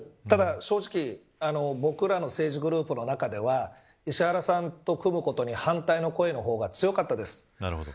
ただ、僕らの政治グループの中では石原さんと組むことに反対の声の方が強かったです。